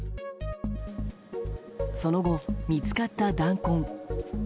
その後、見つかった弾痕。